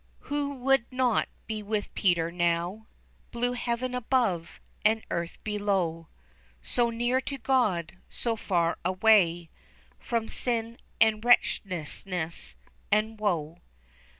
Who would not be with Peter now? Blue heaven above, and earth below, So near to God, so far away From sin, and wretchedness, and woe.